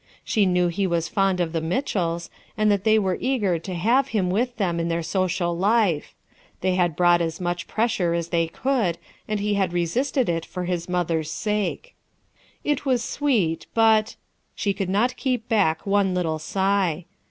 She knew he was fond of the Mitchells, and that they were eager to have him with them in their social life; they had brought as much pressure as they could, and he had resisted it for his mother's sake. It was sweet, but— She could not keep back one little sigh.